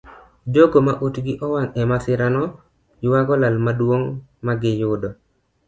Jogo ma utgi owang' emasirano yuago lal maduong magiyudo.